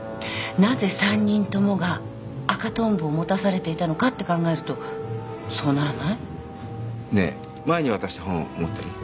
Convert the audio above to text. なぜ３人ともが赤トンボを持たされていたのかって考えるとそうならない？ねえ前に渡した本持ってる？